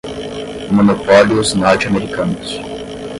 monopólios norte-americanos